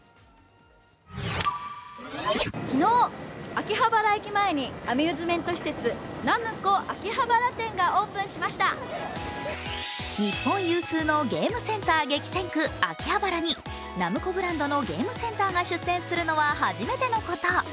昨日、秋葉原駅前にアミューズメント施設、ｎａｍｃｏ秋葉原店がオープンしました日本有数のゲームセンター激戦区、秋葉原にナムコブランドのゲームセンターが出店するのは初めてのこと。